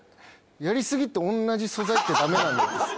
「やりすぎ」って同じ素材ってだめなんですか？